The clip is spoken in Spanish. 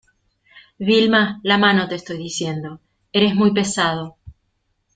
Vilma, la mano te estoy diciendo. ¡ eres muy pesado!